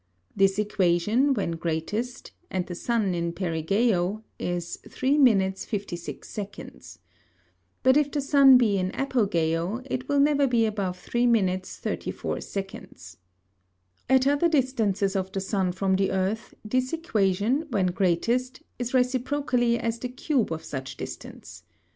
This Equation, when greatest, and the Sun in Perigæo, is 3 Minutes, 56 Seconds. But if the Sun be in Apogæo, it will never be above 3 Minutes, 34 Seconds. At other Distances of the Sun from the Earth, this Equation, when greatest, is reciprocally as the Cube of such Distance.